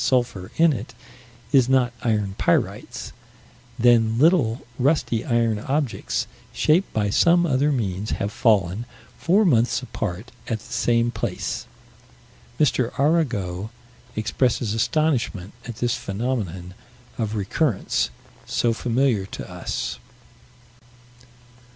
sulphur in it is not iron pyrites then little, rusty iron objects, shaped by some other means, have fallen, four months apart, at the same place. M. Arago expresses astonishment at this phenomenon of recurrence so familiar to us.